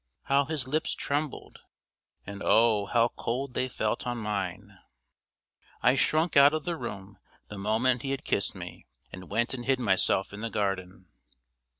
How his lips trembled and oh, how cold they felt on mine! I shrunk out of the room the moment he had kissed me, and went and hid myself in the garden.